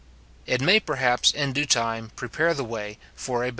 It may perhaps in due time prepare the way for a better.